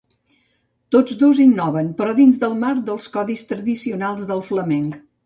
Tots dos innoven, però dins del marc dels codis tradicionals del flamenc.